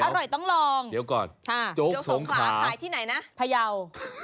อร่อยต้องลองจ้าโจ๊กสงขราพยาว